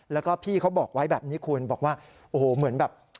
แล้วก็พี่เขาบอกไว้แบบนี้คุณบอกว่าโอ้โหเหมือนแบบ